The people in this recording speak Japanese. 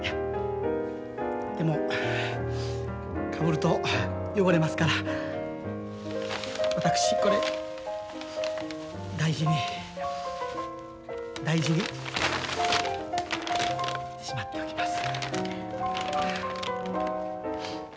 でもかぶると汚れますから私これ大事に大事にしまっておきます。